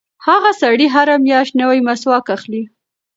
هغه سړی هره میاشت نوی مسواک اخلي.